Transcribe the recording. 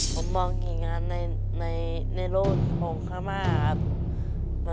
ผมมองอย่างงั้นน่ะในในโลกที่ผมข้าม่าครับ